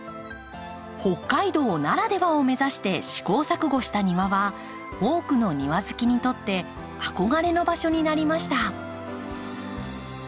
北海道ならではを目指して試行錯誤した庭は多くの庭好きにとって憧れの場所になりました。